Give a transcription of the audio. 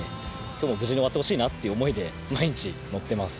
きょうも無事に終わってほしいなという思いで、毎日乗ってます。